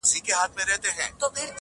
بیا څنګه دې دا پیغلې د غزل وزیږولې